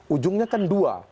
ujungnya kan dua